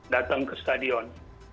datang ke stadion